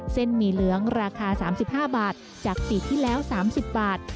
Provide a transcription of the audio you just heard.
หมี่เหลืองราคา๓๕บาทจากปีที่แล้ว๓๐บาท